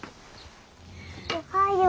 おはよう。